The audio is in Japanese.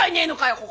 ここ。